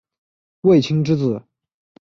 卫青之子。